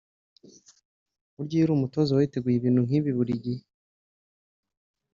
“burya iyo uri umutoza uba witeguye ibintu nk’ibi buri gihe